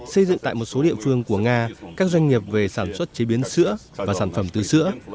xây dựng tại một số địa phương của nga các doanh nghiệp về sản xuất chế biến sữa và sản phẩm từ sữa